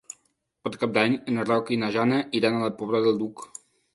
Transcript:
Per Cap d'Any en Roc i na Jana iran a la Pobla del Duc.